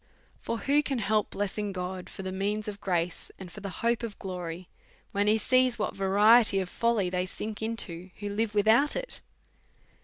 For who can help blessing God for the means of grace, and for the hope of glory, when he sees what variety of folly they sink into who live without it?